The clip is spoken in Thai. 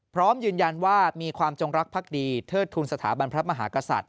พร้อมยืนยันว่ามีความจงรักภักดีเทิดทุนสถาบันพระมหากษัตริย